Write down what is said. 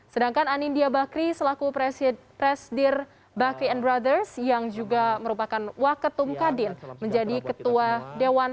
sedangkan anindya bakri selaku presidir bakri and brothers yang juga merupakan waketum kadin menjadi ketua dewan